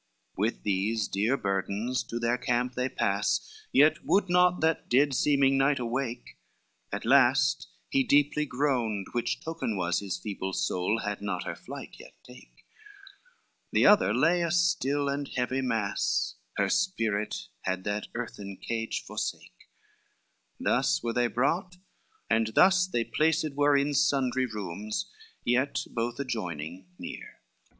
LXXIII With those dear burdens to their camp they pass, Yet would not that dead seeming knight awake, At last he deeply groaned, which token was His feeble soul had not her flight yet take: The other lay a still and heavy mass, Her spirit had that earthen cage forsake; Thus were they brought, and thus they placed were In sundry rooms, yet both adjoining near.